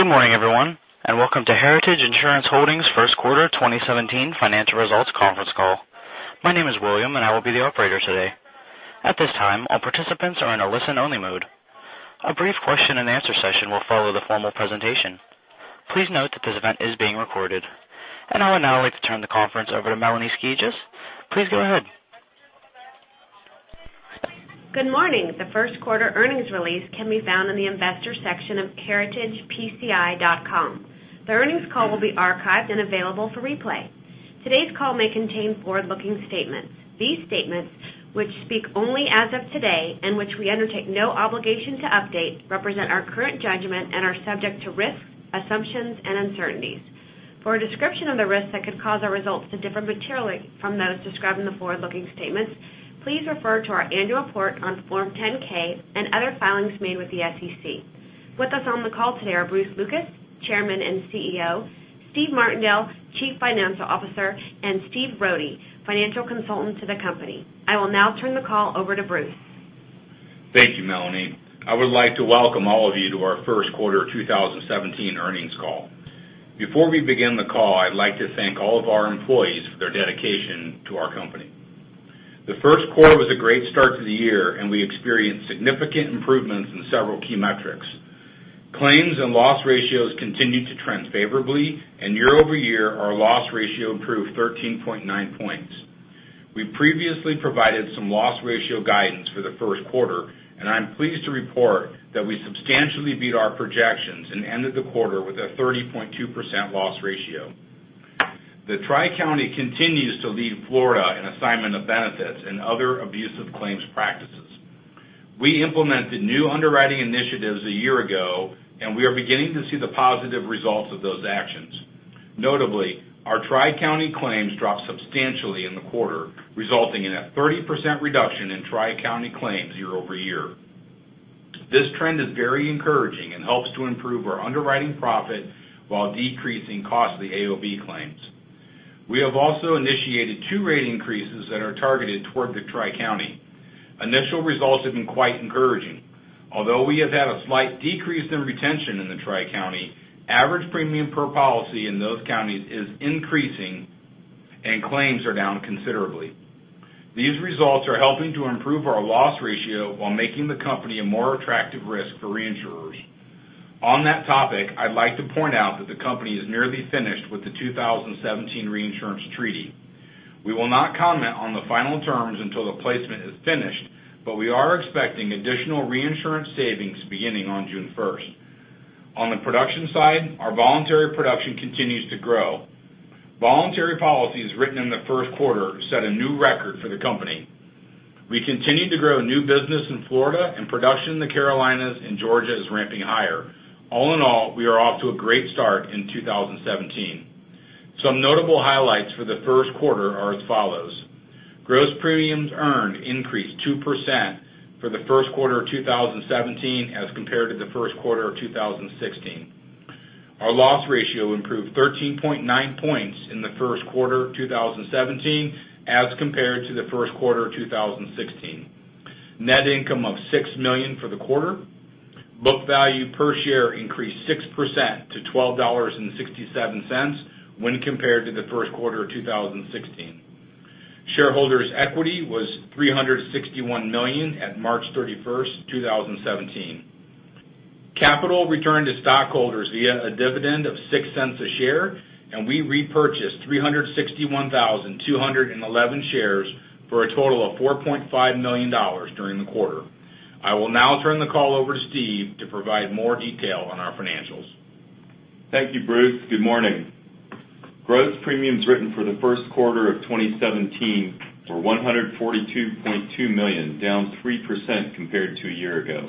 Good morning, everyone, welcome to Heritage Insurance Holdings' first quarter 2017 financial results conference call. My name is William, and I will be the operator today. At this time, all participants are in a listen-only mode. A brief question and answer session will follow the formal presentation. Please note that this event is being recorded. I would now like to turn the conference over to Melanie Skijus. Please go ahead. Good morning. The first quarter earnings release can be found in the Investors section of heritagepci.com. The earnings call will be archived and available for replay. Today's call may contain forward-looking statements. These statements, which speak only as of today and which we undertake no obligation to update, represent our current judgment and are subject to risk, assumptions, and uncertainties. For a description of the risks that could cause our results to differ materially from those described in the forward-looking statements, please refer to our annual report on Form 10-K and other filings made with the SEC. With us on the call today are Bruce Lucas, Chairman and CEO, Steven Martindale, Chief Financial Officer, and Stephen Rohde, Financial Consultant to the company. I will now turn the call over to Bruce. Thank you, Melanie. I would like to welcome all of you to our first quarter 2017 earnings call. Before we begin the call, I'd like to thank all of our employees for their dedication to our company. The first quarter was a great start to the year. We experienced significant improvements in several key metrics. Claims and loss ratios continued to trend favorably, and year-over-year, our loss ratio improved 13.9 points. We previously provided some loss ratio guidance for the first quarter. I'm pleased to report that we substantially beat our projections and ended the quarter with a 30.2% loss ratio. The Tri-County continues to lead Florida in assignment of benefits and other abusive claims practices. We implemented new underwriting initiatives a year ago. We are beginning to see the positive results of those actions. Notably, our Tri-County claims dropped substantially in the quarter, resulting in a 30% reduction in Tri-County claims year-over-year. This trend is very encouraging and helps to improve our underwriting profit while decreasing costly AOB claims. We have also initiated two rate increases that are targeted toward the Tri-County. Initial results have been quite encouraging. Although we have had a slight decrease in retention in the Tri-County, average premium per policy in those counties is increasing, and claims are down considerably. These results are helping to improve our loss ratio while making the company a more attractive risk for reinsurers. On that topic, I'd like to point out that the company is nearly finished with the 2017 reinsurance treaty. We will not comment on the final terms until the placement is finished. We are expecting additional reinsurance savings beginning on June 1st. On the production side, our voluntary production continues to grow. Voluntary policies written in the first quarter set a new record for the company. We continued to grow new business in Florida, and production in the Carolinas and Georgia is ramping higher. All in all, we are off to a great start in 2017. Some notable highlights for the first quarter are as follows. Gross premiums earned increased 2% for the first quarter of 2017 as compared to the first quarter of 2016. Our loss ratio improved 13.9 points in the first quarter of 2017 as compared to the first quarter of 2016. Net income of $6 million for the quarter. Book value per share increased 6% to $12.67 when compared to the first quarter of 2016. Shareholders' equity was $361 million at March 31st, 2017. Capital returned to stockholders via a dividend of $0.06 a share, and we repurchased 361,211 shares for a total of $4.5 million during the quarter. I will now turn the call over to Steven to provide more detail on our financials. Thank you, Bruce. Good morning. Gross premiums written for the first quarter of 2017 were $142.2 million, down 3% compared to a year ago.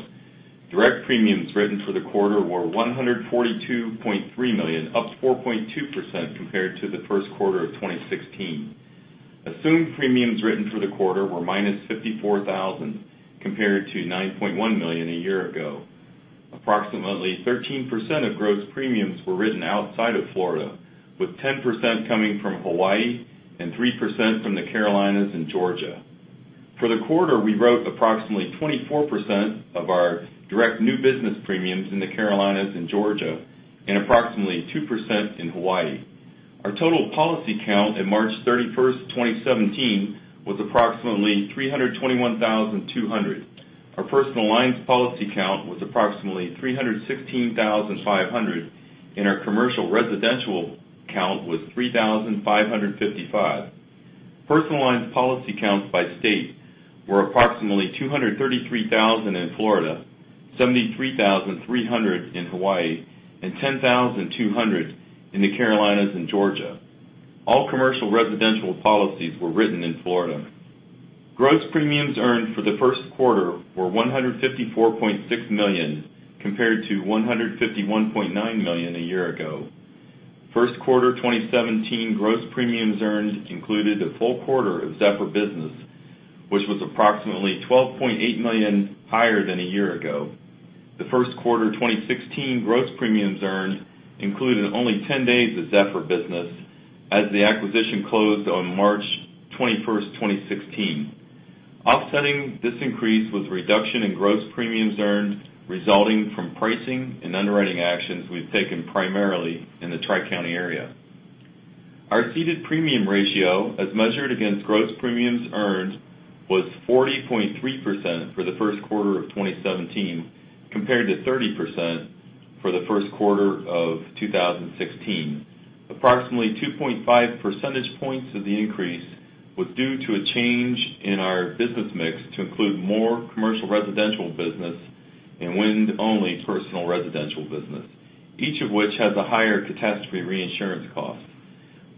Direct premiums written for the quarter were $142.3 million, up 4.2% compared to the first quarter of 2016. Assumed premiums written for the quarter were -$54,000 compared to $9.1 million a year ago. Approximately 13% of gross premiums were written outside of Florida, with 10% coming from Hawaii and 3% from the Carolinas and Georgia. For the quarter, we wrote approximately 24% of our direct new business premiums in the Carolinas and Georgia and approximately 2% in Hawaii. Our total policy count at March 31st, 2017, was approximately 321,200. Our personal lines policy count was approximately 316,500, and our commercial residential count was 3,555. Personal lines policy counts by state were approximately 233,000 in Florida, 73,300 in Hawaii, and 10,200 in the Carolinas and Georgia. All commercial residential policies were written in Florida. Gross premiums earned for the first quarter were $154.6 million, compared to $151.9 million a year ago. First quarter 2017 gross premiums earned included a full quarter of Zephyr business, which was approximately $12.8 million higher than a year ago. The first quarter 2016 gross premiums earned included only 10 days of Zephyr business, as the acquisition closed on March 21st, 2016. Offsetting this increase was a reduction in gross premiums earned resulting from pricing and underwriting actions we've taken primarily in the Tri-County area. Our ceded premium ratio, as measured against gross premiums earned, was 40.3% for the first quarter of 2017, compared to 30% for the first quarter of 2016. Approximately 2.5 percentage points of the increase was due to a change in our business mix to include more commercial residential business and wind-only personal residential business, each of which has a higher catastrophe reinsurance cost.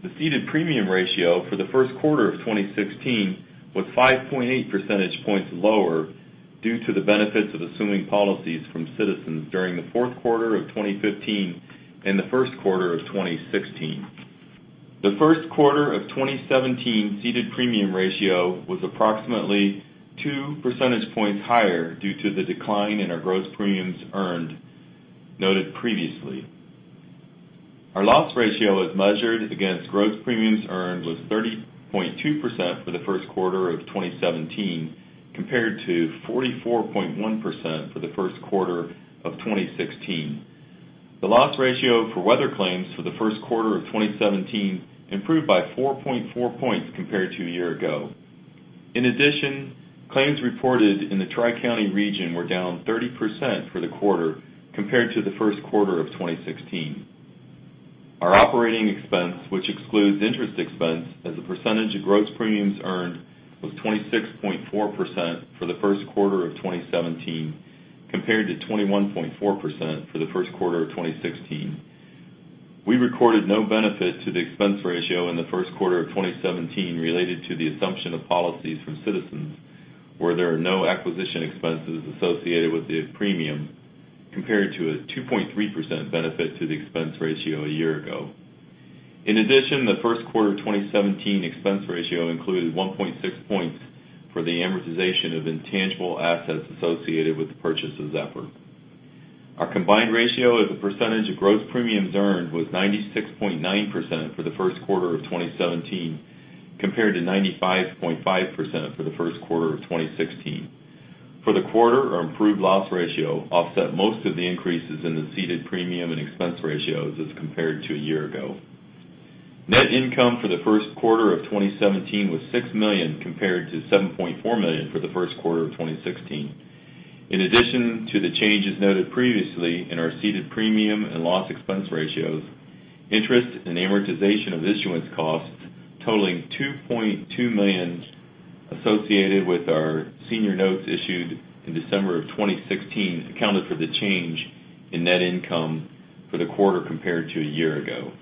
The ceded premium ratio for the first quarter of 2016 was 5.8 percentage points lower due to the benefits of assuming policies from Citizens during the fourth quarter of 2015 and the first quarter of 2016. The first quarter of 2017 ceded premium ratio was approximately two percentage points higher due to the decline in our gross premiums earned noted previously. Our loss ratio as measured against gross premiums earned was 30.2% for the first quarter of 2017, compared to 44.1% for the first quarter of 2016. The loss ratio for weather claims for the first quarter of 2017 improved by 4.4 points compared to a year ago. Claims reported in the Tri-County region were down 30% for the quarter compared to the first quarter of 2016. Our operating expense, which excludes interest expense as a percentage of gross premiums earned, was 26.4% for the first quarter of 2017 compared to 21.4% for the first quarter of 2016. We recorded no benefit to the expense ratio in the first quarter of 2017 related to the assumption of policies from Citizens, where there are no acquisition expenses associated with the premium, compared to a 2.3% benefit to the expense ratio a year ago. The first quarter 2017 expense ratio included 1.6 points for the amortization of intangible assets associated with the purchase of Zephyr. Our combined ratio as a percentage of gross premiums earned was 96.9% for the first quarter of 2017 compared to 95.5% for the first quarter of 2016. For the quarter, our improved loss ratio offset most of the increases in the ceded premium and expense ratios as compared to a year ago. Net income for the first quarter of 2017 was $6 million, compared to $7.4 million for the first quarter of 2016. To the changes noted previously in our ceded premium and loss expense ratios, interest and amortization of issuance costs totaling $2.2 million associated with our senior notes issued in December of 2016 accounted for the change in net income for the quarter compared to a year ago.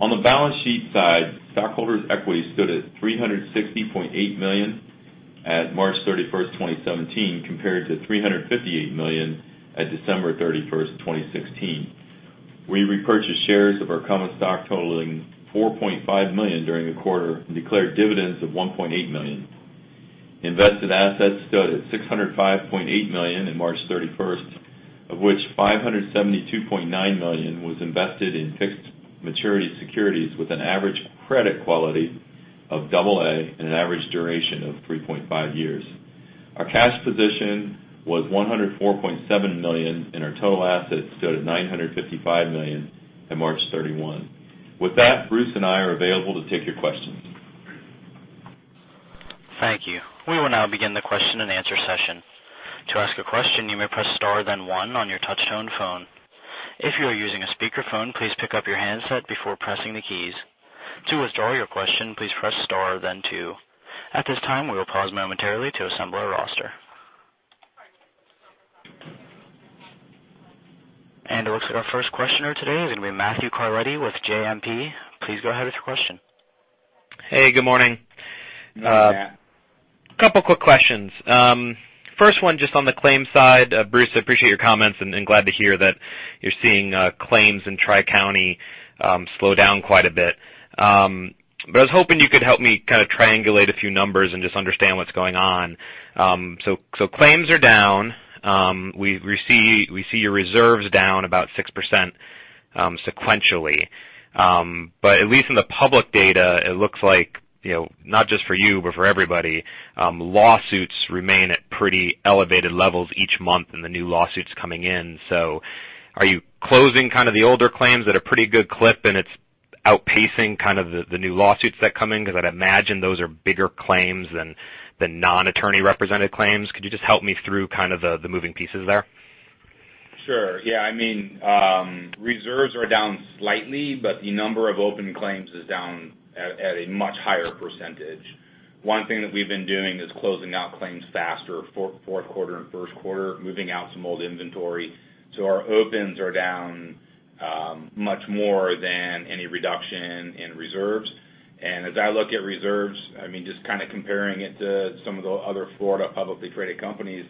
On the balance sheet side, stockholders' equity stood at $360.8 million at March 31st, 2017, compared to $358 million at December 31st, 2016. We repurchased shares of our common stock totaling $4.5 million during the quarter and declared dividends of $1.8 million. Invested assets stood at $605.8 million in March 31st, of which $572.9 million was invested in fixed maturity securities with an average credit quality of double A and an average duration of 3.5 years. Our cash position was $104.7 million, and our total assets stood at $955 million at March 31. With that, Bruce and I are available to take your questions. Thank you. We will now begin the question and answer session. To ask a question, you may press star then one on your touchtone phone. If you are using a speakerphone, please pick up your handset before pressing the keys. To withdraw your question, please press star then two. At this time, we will pause momentarily to assemble our roster. It looks like our first questioner today is going to be Matthew Carletti with JMP. Please go ahead with your question. Hey, good morning. Good morning, Matt. Couple quick questions. First one just on the claims side. Bruce, I appreciate your comments and glad to hear that you're seeing claims in Tri-County slow down quite a bit. I was hoping you could help me kind of triangulate a few numbers and just understand what's going on. Claims are down. We see your reserves down about 6% sequentially. At least in the public data, it looks like, not just for you but for everybody, lawsuits remain at pretty elevated levels each month and the new lawsuits coming in. Are you closing kind of the older claims at a pretty good clip and it's outpacing kind of the new lawsuits that come in? Because I'd imagine those are bigger claims than non-attorney represented claims. Could you just help me through kind of the moving pieces there? Sure. Yeah. Reserves are down slightly, but the number of open claims is down at a much higher percentage. One thing that we've been doing is closing out claims faster, fourth quarter and first quarter, moving out some old inventory. Our opens are down much more than any reduction in reserves. As I look at reserves, just kind of comparing it to some of the other Florida publicly traded companies,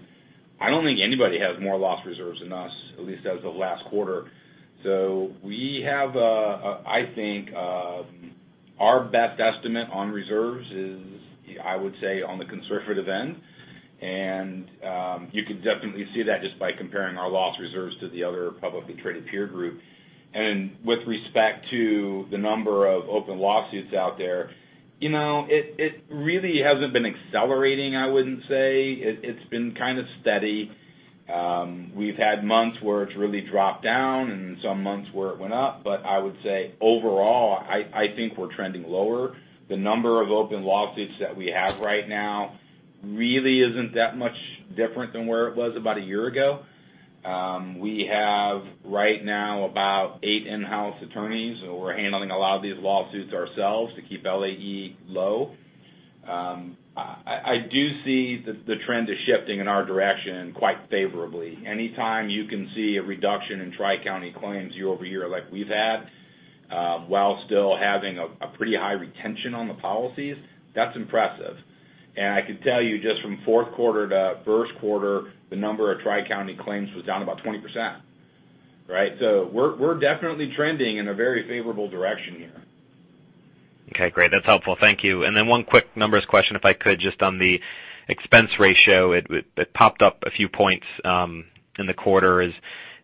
I don't think anybody has more loss reserves than us, at least as of last quarter. I think our best estimate on reserves is, I would say, on the conservative end. You could definitely see that just by comparing our loss reserves to the other publicly traded peer group. With respect to the number of open lawsuits out there, it really hasn't been accelerating, I wouldn't say. It's been kind of steady. We've had months where it's really dropped down and some months where it went up. I would say, overall, I think we're trending lower. The number of open lawsuits that we have right now really isn't that much different than where it was about a year ago. We have, right now, about eight in-house attorneys, so we're handling a lot of these lawsuits ourselves to keep LAE low. I do see the trend is shifting in our direction quite favorably. Anytime you can see a reduction in Tri-County claims year-over-year like we've had, while still having a pretty high retention on the policies, that's impressive. I could tell you just from fourth quarter to first quarter, the number of Tri-County claims was down about 20%. We're definitely trending in a very favorable direction here. Okay, great. That's helpful. Thank you. One quick numbers question, if I could, just on the expense ratio. It popped up a few points in the quarter.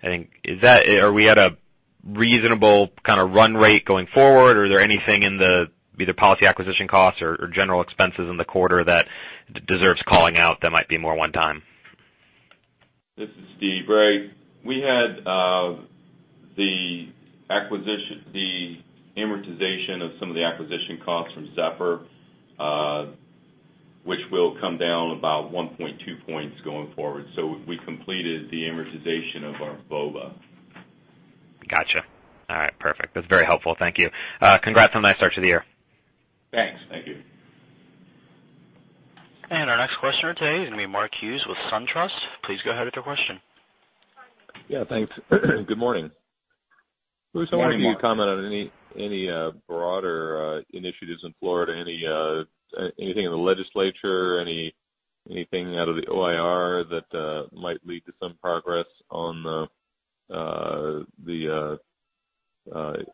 Are we at a reasonable kind of run rate going forward, or is there anything in the either policy acquisition costs or general expenses in the quarter that deserves calling out that might be more one time? This is Steve. Matthew, we had the amortization of some of the acquisition costs from Zephyr, which will come down about 1.2 points going forward. We completed the amortization of our VOBA. Got you. All right, perfect. That's very helpful. Thank you. Congrats on a nice start to the year. Thanks. Thank you. Our next question today is going to be Mark Hughes with SunTrust. Please go ahead with your question. Yeah, thanks. Good morning. Good morning, Mark. Bruce, I wonder if you could comment on any broader initiatives in Florida, anything in the legislature, anything out of the OIR that might lead to some progress on the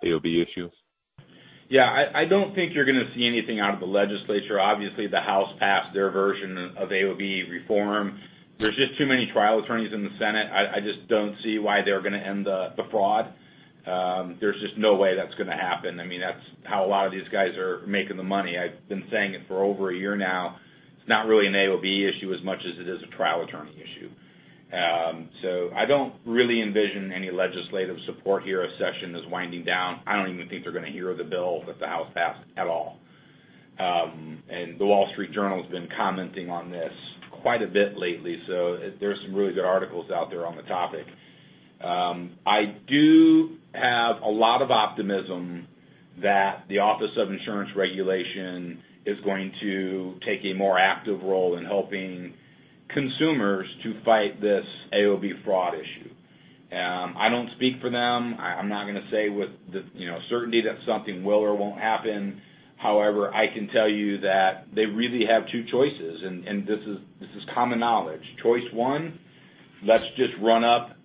AOB issues. Yeah, I don't think you're going to see anything out of the legislature. Obviously, the House passed their version of AOB reform. There's just too many trial attorneys in the Senate. I just don't see why they're going to end the fraud. There's just no way that's going to happen. That's how a lot of these guys are making the money. I've been saying it for over a year now. It's not really an AOB issue as much as it is a trial attorney issue. I don't really envision any legislative support here as session is winding down. I don't even think they're going to hear the bill that the House passed at all. The Wall Street Journal has been commenting on this quite a bit lately, there's some really good articles out there on the topic. I do have a lot of optimism that the Office of Insurance Regulation is going to take a more active role in helping consumers to fight this AOB fraud issue. I don't speak for them. I'm not going to say with certainty that something will or won't happen. However, I can tell you that they really have two choices, and this is common knowledge. Choice one, let's just run up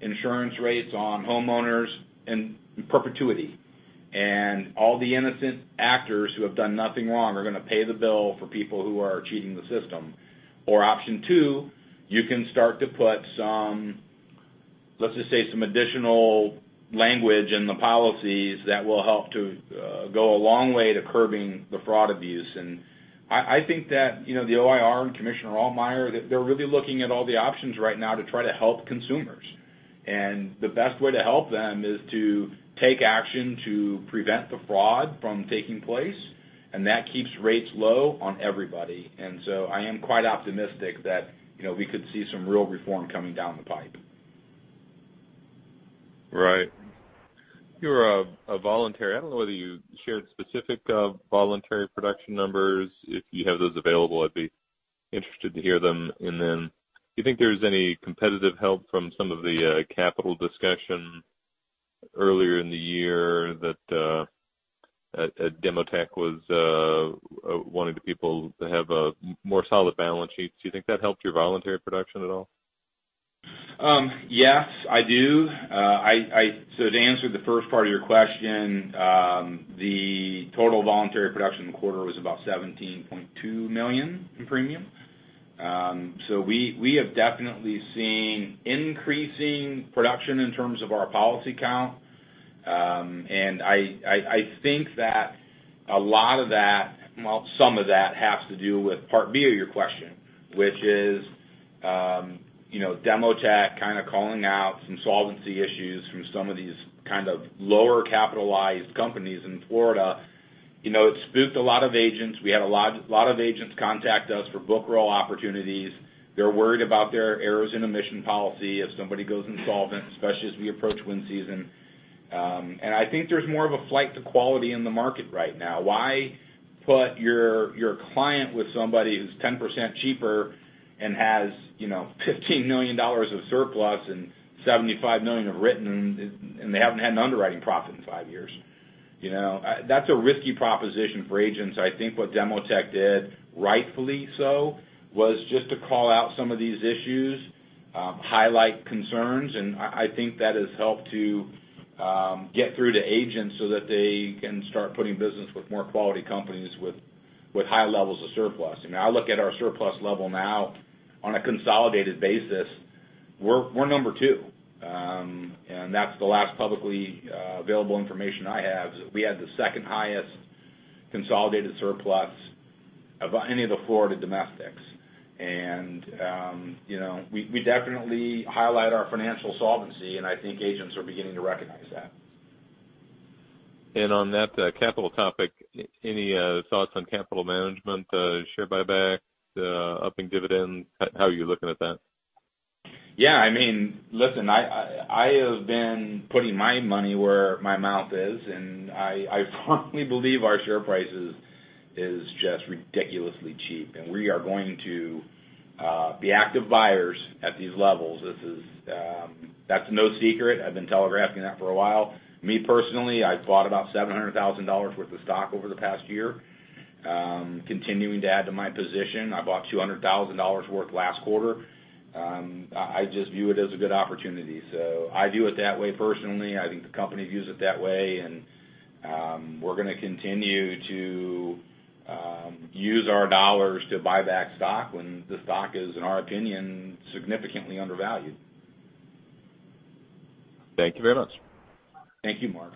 insurance rates on homeowners in perpetuity, and all the innocent actors who have done nothing wrong are going to pay the bill for people who are cheating the system. Option two, you can start to put, let's just say, some additional language in the policies that will help to go a long way to curbing the fraud abuse. I think that the OIR and Commissioner Altmaier, they're really looking at all the options right now to try to help consumers. The best way to help them is to take action to prevent the fraud from taking place, and that keeps rates low on everybody. I am quite optimistic that we could see some real reform coming down the pipe. Right. Your voluntary, I don't know whether you shared specific voluntary production numbers. If you have those available, I'd be interested to hear them. Do you think there's any competitive help from some of the capital discussion earlier in the year that Demotech was wanting the people to have a more solid balance sheet? Do you think that helped your voluntary production at all? Yes, I do. To answer the first part of your question, the total voluntary production in the quarter was about $17.2 million in premium. We have definitely seen increasing production in terms of our policy count. I think that a lot of that, well, some of that has to do with part B of your question, which is Demotech kind of calling out some solvency issues from some of these kind of lower capitalized companies in Florida. It spooked a lot of agents. We had a lot of agents contact us for book roll opportunities. They're worried about their errors and omissions policy if somebody goes insolvent, especially as we approach wind season. I think there's more of a flight to quality in the market right now. Why put your client with somebody who's 10% cheaper and has $15 million of surplus and $75 million of written, and they haven't had an underwriting profit in five years? That's a risky proposition for agents. I think what Demotech did, rightfully so, was just to call out some of these issues, highlight concerns, and I think that has helped to get through to agents so that they can start putting business with more quality companies with high levels of surplus. I look at our surplus level now on a consolidated basis, we're number two. That's the last publicly available information I have. We had the second highest consolidated surplus of any of the Florida domestics. We definitely highlight our financial solvency, and I think agents are beginning to recognize that. On that capital topic, any thoughts on capital management, share buybacks, upping dividends? How are you looking at that? Listen, I have been putting my money where my mouth is, and I firmly believe our share price is just ridiculously cheap, and we are going to be active buyers at these levels. That's no secret. I've been telegraphing that for a while. Me personally, I've bought about $700,000 worth of stock over the past year, continuing to add to my position. I bought $200,000 worth last quarter. I just view it as a good opportunity. I view it that way personally. I think the company views it that way, and we're going to continue to use our dollars to buy back stock when the stock is, in our opinion, significantly undervalued. Thank you very much. Thank you, Mark.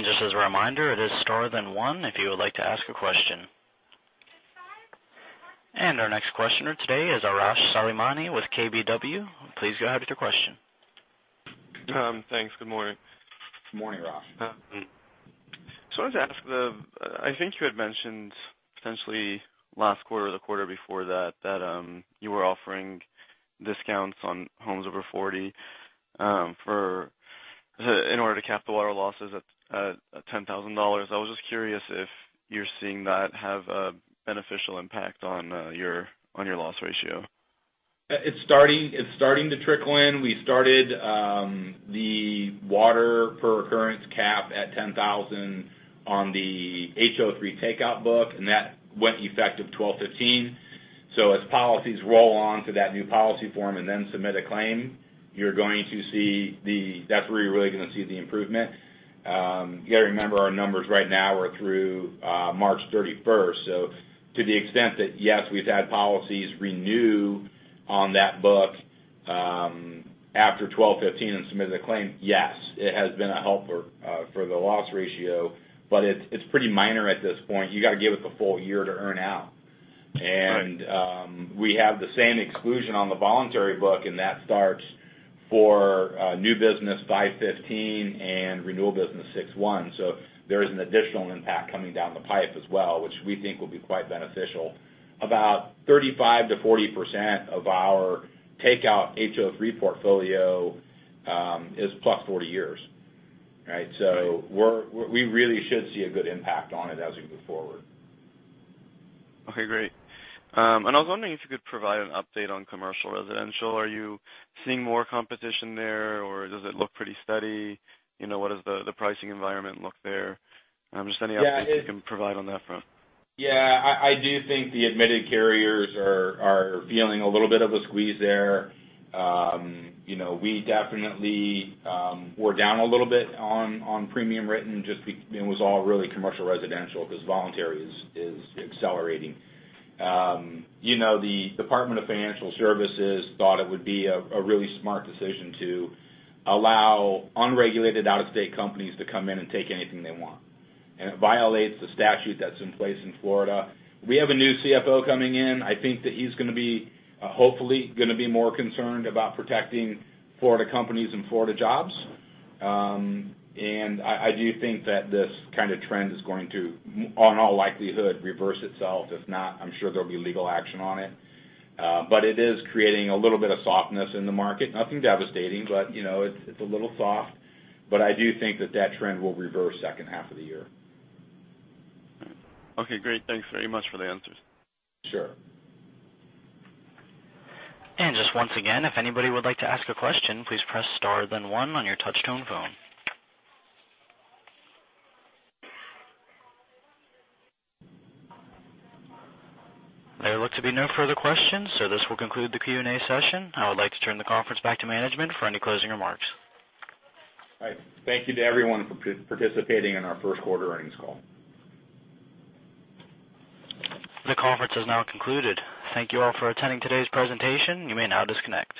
Just as a reminder, it is star then one if you would like to ask a question. Our next questioner today is Arash Soleimani with KBW. Please go ahead with your question. Thanks. Good morning. Good morning, Arash. I wanted to ask, I think you had mentioned potentially last quarter or the quarter before that you were offering discounts on homes over 40 in order to cap the water losses at $10,000. I was just curious if you're seeing that have a beneficial impact on your loss ratio. It's starting to trickle in. We started the water per occurrence cap at $10,000 on the HO-3 takeout book, and that went effective 12/15. As policies roll on to that new policy form and then submit a claim, that's where you're really going to see the improvement. You got to remember our numbers right now are through March 31st. To the extent that, yes, we've had policies renew on that book after 12/15 and submitted a claim, yes, it has been a help for the loss ratio, but it's pretty minor at this point. You got to give it the full year to earn out. Right. We have the same exclusion on the voluntary book, that starts for new business 5/15 and renewal business 6/1. There is an additional impact coming down the pipe as well, which we think will be quite beneficial. About 35%-40% of our takeout HO-3 portfolio is plus 40 years. Right? Right. We really should see a good impact on it as we move forward. Okay, great. I was wondering if you could provide an update on commercial residential. Are you seeing more competition there, or does it look pretty steady? What does the pricing environment look there? Just any updates you can provide on that front. Yeah. I do think the admitted carriers are feeling a little bit of a squeeze there. We definitely were down a little bit on premium written, it was all really commercial residential because voluntary is accelerating. The Department of Financial Services thought it would be a really smart decision to allow unregulated out-of-state companies to come in and take anything they want, and it violates the statute that's in place in Florida. We have a new CFO coming in. I think that he's going to be, hopefully, going to be more concerned about protecting Florida companies and Florida jobs. I do think that this kind of trend is going to, on all likelihood, reverse itself. If not, I'm sure there'll be legal action on it. It is creating a little bit of softness in the market. Nothing devastating, but it's a little soft. I do think that trend will reverse second half of the year. Okay, great. Thanks very much for the answers. Sure. Just once again, if anybody would like to ask a question, please press star then one on your touch-tone phone. There look to be no further questions, this will conclude the Q&A session. I would like to turn the conference back to management for any closing remarks. All right. Thank you to everyone for participating in our first quarter earnings call. The conference has now concluded. Thank you all for attending today's presentation. You may now disconnect.